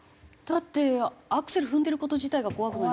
だってアクセル踏んでる事自体が怖くなりますよね。